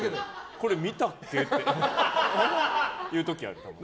これ見たっけ？っていう時ある。